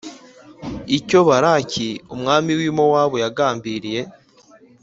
icyo Balaki umwami w i Mowabu yagambiriye